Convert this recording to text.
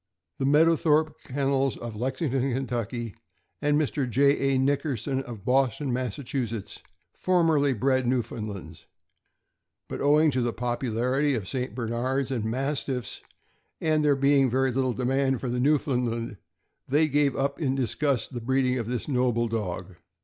The Mead owthorpe Kennels, of Lexington, Ky., and Mr. J. A. Nick erson, of Boston, Mass., formerly bred Newfoundlands, but owing to the popularity of St. Bernards and Mastiffs, and there being very little demand for the Newfoundland, they gave up in disgust the breeding of this noble dog.